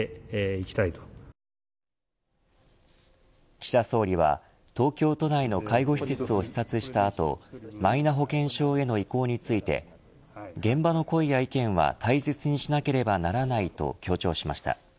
岸田総理は東京都内の介護施設を視察した後マイナ保険証への移行について現場の声や意見は大切にしなければならないと強調しました。